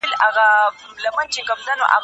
ځینې یوازې عمودي پوهه لري.